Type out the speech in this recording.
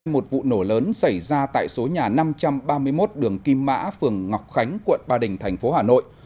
một vụ nổ lớn xảy ra tại số nhà năm trăm ba mươi một đường kim mã phường ngọc khánh quận ba đình thành phố hà nội